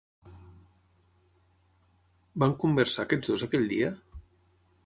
Van conversar aquests dos aquell dia?